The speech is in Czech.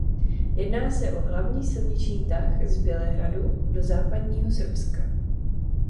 Jedná se o hlavní silniční tah z Bělehradu do západního Srbska.